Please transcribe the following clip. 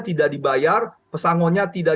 tidak dibayar pesangonnya tidak